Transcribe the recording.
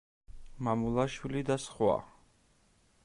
მამულაშვილი და სხვა.